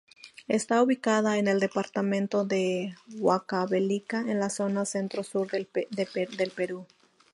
Está ubicada en el departamento de Huancavelica en la zona centro-sur del Perú.